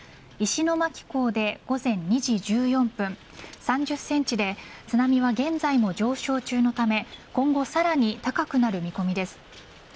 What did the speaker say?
石巻港で午前２時１４分３０センチで津波は現在も上昇中のため今後さらに高くなる見込みです。